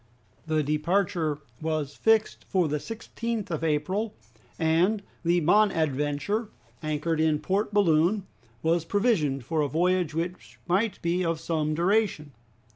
The departure was fixed for the 16th of April, and the "Bonadventure," anchored in Port Balloon, was provisioned for a voyage which might be of some duration.